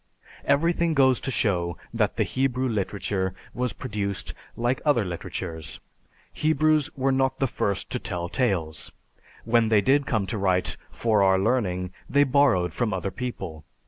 "Everything goes to show that the Hebrew literature was produced like other literatures. Hebrews were not the first to tell tales. When they did come to write 'for our learning' they borrowed from other people.